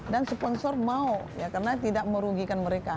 dan sponsor mau ya karena tidak merugikan mereka